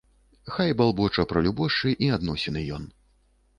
Хай балбоча пра любошчы і адносіны ён.